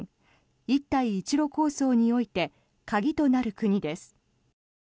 一帯一路構想において鍵となる国です。